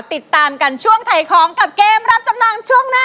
ติดตามกันช่วงถ่ายของกับเกมรับจำนำช่วงหน้า